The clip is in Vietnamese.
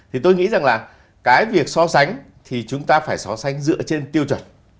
thì tôi nghĩ rằng là cái việc so sánh thì chúng ta phải so sánh dựa trên tiêu chuẩn